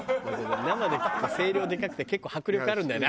生で聞くと声量でかくて結構迫力あるんだよね。